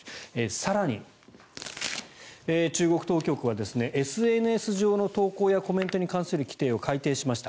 更に、中国当局はＳＮＳ上の投稿やコメントに関する規定を改定しました。